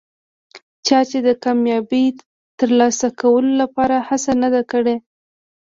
چا چې د کامیابۍ ترلاسه کولو لپاره هڅه نه ده کړي.